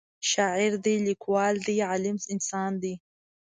شاعر دی لیکوال دی عالم انسان دی